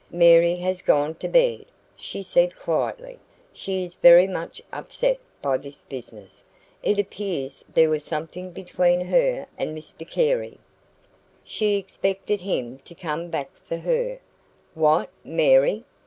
"Mary has gone to bed," she said quietly. "She is very much upset by this business. It appears there was something between her and Mr Carey. She expected him to come back for her " "What! MARY?"